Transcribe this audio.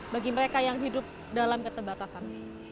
bagi mereka yang hidup dalam keterbatasan